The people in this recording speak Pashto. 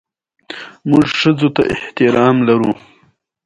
د خځې لوري ليکل شوي څېړنې لټوم